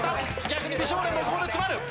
逆に美少年もここで詰まる！